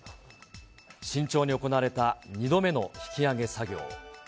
慎重に行われた２度目の引き揚げ作業。